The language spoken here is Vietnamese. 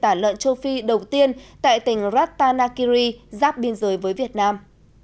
tả lợn châu phi đầu tiên tại tỉnh ratanakiri giáp biên giới với việt nam